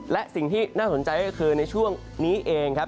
และสิ่งที่น่าสนใจก็คือในช่วงนี้เองครับ